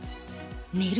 「寝る」